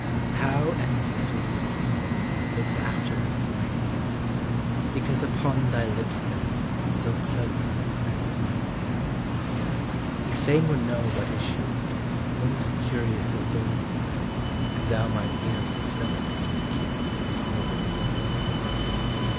How enviously the sea mew Looks after us, my dear; Because upon thy lips then So close I pressed mine ear. He fain would know what issued, Most curious of birds! If thou mine ear fulfillest With kisses or with words.